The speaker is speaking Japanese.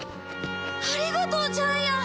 ありがとうジャイアン。